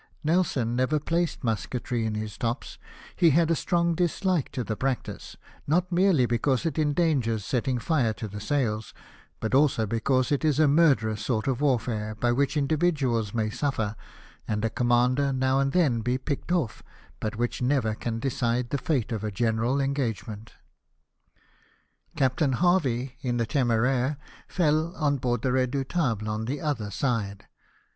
Nelson never placed musketry in his tops ; he had a strong dislike to the practice ; not merely because it endangers setting fire to the sails, but also because it is a murderous sort of warfare by which individuals may sufler, and a commander now and then be picked off, but which never can decide the fate of a general engagement. Captain Harvey, in the Temdraire, fell on board the Redoubtable on the other side.